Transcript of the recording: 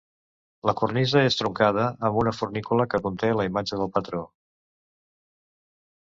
La cornisa és truncada, amb una fornícula que conté la imatge del patró.